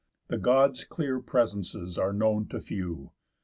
_The Gods' clear presences are known to few.